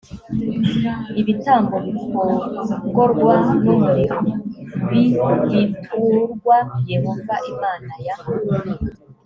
ibitambo bikongorwa n umuriro b biturwa yehova imana ya